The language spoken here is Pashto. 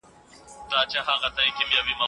پر عامه پوهه کار کول د فرد توانمنیت په نښه کوي.